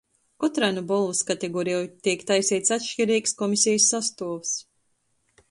Kotrai nu bolvys kategoreju teik taiseits atškireigs komisejis sastuovs.